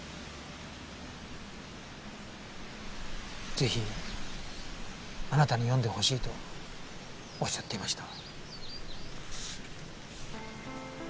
ぜひあなたに読んでほしいとおっしゃっていました。